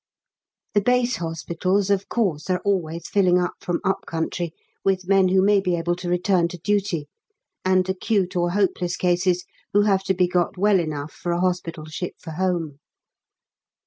The base hospitals, of course, are always filling up from up country with men who may be able to return to duty, and acute or hopeless cases who have to be got well enough for a hospital ship for home.